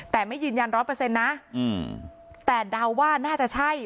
แต่ไม่ยืนยันร้อยเปอร์เซ็นต์นะแต่เดาว่าน่าจะใช่